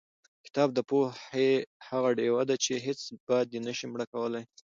کتاب د پوهې هغه ډیوه ده چې هېڅ باد یې نشي مړ کولی.